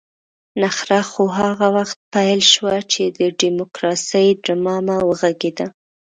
نخره خو هغه وخت پيل شوه چې د ډيموکراسۍ ډمامه وغږېده.